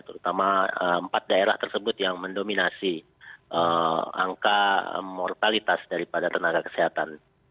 terutama empat daerah tersebut yang mendominasi angka mortalitas daripada tenaga kesehatan